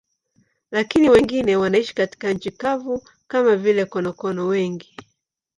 Lakini wengine wanaishi katika nchi kavu, kama vile konokono wengi.